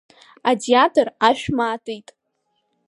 Атеатр ашә маатит.